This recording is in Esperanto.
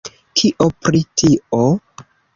Kio pri tio?